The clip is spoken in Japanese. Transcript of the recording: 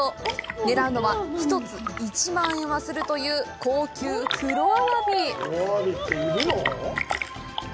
狙うのは、１つ１万円はするという高級黒アワビ。